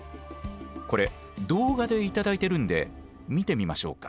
これ動画で頂いてるんで見てみましょうか。